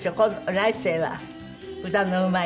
来世は歌のうまい。